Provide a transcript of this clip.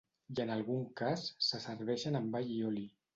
I en algun cas, se serveixen amb allioli.